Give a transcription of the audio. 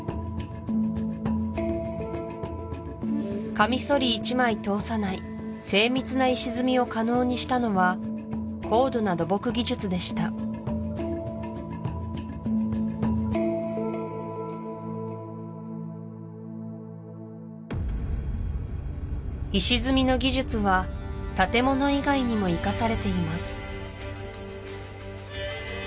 カミソリ１枚通さない精密な石積みを可能にしたのは高度な土木技術でした石積みの技術は建物以外にも生かされています